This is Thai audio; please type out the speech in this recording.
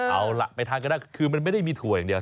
เอาล่ะไปทานกันได้คือมันไม่ได้มีถั่วอย่างเดียว